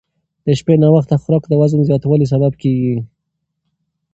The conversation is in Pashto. د شپې ناوخته خوراک د وزن زیاتوالي سبب کېږي.